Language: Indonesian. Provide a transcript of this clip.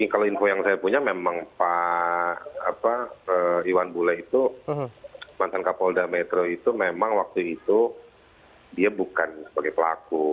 kalau info yang saya punya memang pak iwan bule itu mantan kapolda metro itu memang waktu itu dia bukan sebagai pelaku